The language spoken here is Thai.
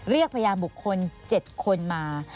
เรียกพยายามบุคคล๗คนมา